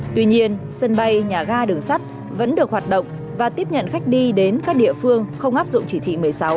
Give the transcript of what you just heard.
tuy nhiên sân bay nhà ga đường sắt vẫn được hoạt động và tiếp nhận khách đi đến các địa phương không áp dụng chỉ thị một mươi sáu